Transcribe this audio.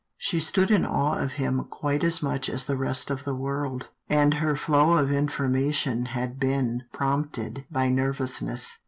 She stood in awe of him quite as much as the rest of his world, and her flow of information had been prompted by nervousness.